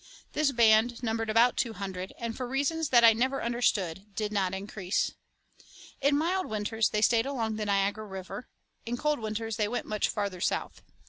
This band numbered about two hundred, and for reasons that I never understood did not increase. In mild winters they stayed along the Niagara River; in cold winters they went much farther south.